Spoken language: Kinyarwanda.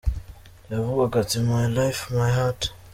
Yavugaga ati: My Life, my heart.